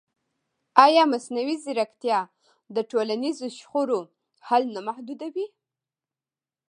ایا مصنوعي ځیرکتیا د ټولنیزو شخړو حل نه محدودوي؟